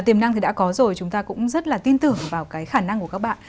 tiềm năng thì đã có rồi chúng ta cũng rất là tin tưởng vào cái khả năng của các bạn